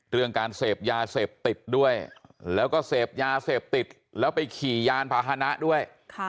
เรื่องการเสพยาเสพติดด้วยแล้วก็เสพยาเสพติดแล้วไปขี่ยานพาหนะด้วย